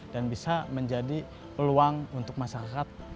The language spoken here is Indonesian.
dan bisa menjadi peluang untuk masyarakat